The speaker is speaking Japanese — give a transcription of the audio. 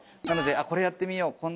なので「これやってみよう」